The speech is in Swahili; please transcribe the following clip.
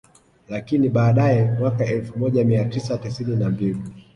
Lakini baadae mwaka elfu moja mia tisa tisini na mbili